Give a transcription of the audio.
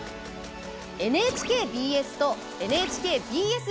ＮＨＫＢＳとＮＨＫＢＳ